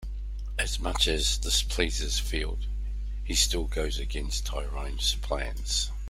As much as this pleases Field, he still goes against Tyronne's plans.